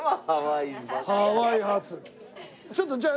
ちょっとじゃあ。